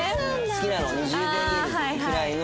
「好きなの。